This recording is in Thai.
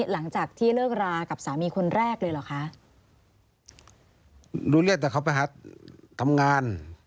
หลังจากที่เลิกรากับสามีคนแรกเลยเหรอคะรู้เรื่องแต่เขาไปหาทำงาน